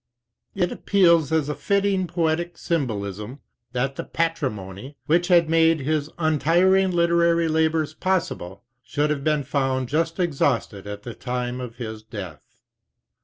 It appeals as a fitting poetic symbolism that the patrimony which had made his untir ing literary labors possible should have been found just ex hausted at the time of his death.